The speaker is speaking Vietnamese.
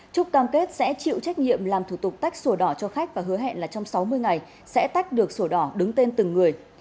trúc cam kết sẽ chịu trách nhiệm làm thủ tục tách sổ đỏ cho khách và hứa hẹn là trong sáu mươi ngày sẽ tách được sổ đỏ đứng tên từng người